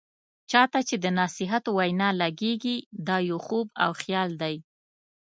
چا ته چې د نصيحت وینا لګیږي، دا يو خوب او خيال دی.